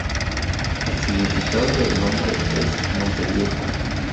El significado del nombre es "Monte Viejo".